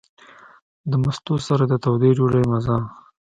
د مستو سره د تودې ډوډۍ مزه.